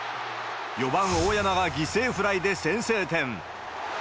４番大山が犠牲フライで先制点。